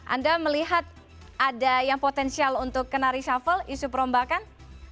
anda melihat ada yang potensial untuk kena reshuffle isu perombakan